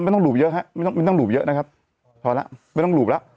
ไม่ต้องหลุบเยอะฮะไม่ต้องหลุบเยอะนะครับพอแล้วไม่ต้องหลุบแล้ว